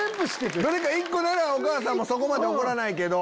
どれか１個ならお母さんもそこまで怒らないけど。